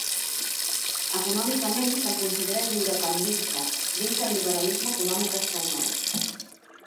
Econòmicament se'l considera lliurecanvista dins del liberalisme econòmic espanyol.